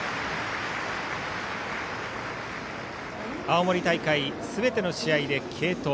青森大会すべての試合で継投。